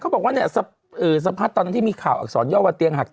ก็บอกว่าสัมภาพคือตอนที่มีข่าวอักษรย่อว่าเตียงหัก